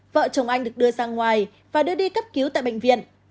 vợ chồng anh được đưa ra ngoài và đưa đi cấp cứu tại bệnh viện